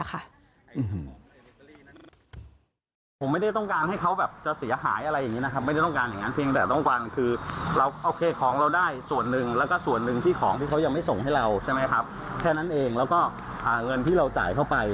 คือด้วยความที่ว่ามีคนไปขอเงินคืนในแฟนเกจของพิมพ์รีภายเยอะนะ